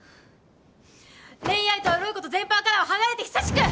恋愛とエロいこと全般からは離れて久しく！